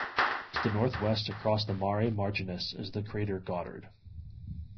To the northwest across the Mare Marginis is the crater Goddard.